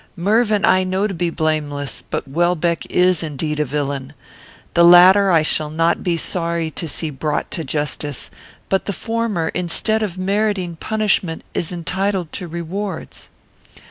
Mervyn I know to be blameless; but Welbeck is indeed a villain. The latter I shall not be sorry to see brought to justice; but the former, instead of meriting punishment, is entitled to rewards."